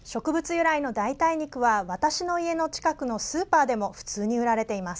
由来の代替肉は私の家の近くのスーパーでも普通に売られています。